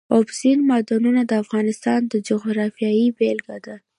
اوبزین معدنونه د افغانستان د جغرافیې بېلګه ده.